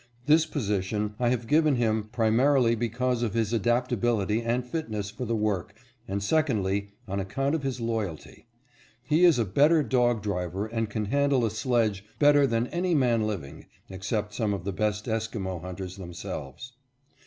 This position I have given him primarily because of his adaptability and fitness for the work and secondly on account of his loyalty. He is a better dog driver and can handle a sledge better than any man living, except some of the best Esquimo hunters themselves."